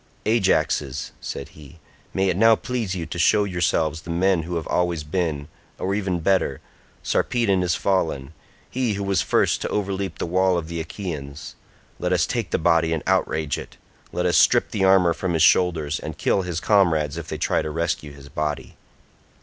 "Ajaxes," said he, "may it now please you to show yourselves the men you have always been, or even better—Sarpedon is fallen—he who was first to overleap the wall of the Achaeans; let us take the body and outrage it; let us strip the armour from his shoulders, and kill his comrades if they try to rescue his body."